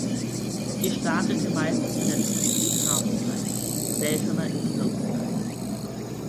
Sie startet meistens in der Disziplin Halfpipe, seltener im Slopestyle.